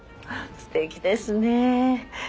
すてきですねえ。